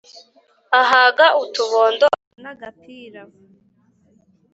Ahaga utubondo asa n'agapira!